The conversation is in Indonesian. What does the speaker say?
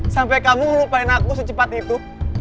sampai kamu ngelupain aku secepat itu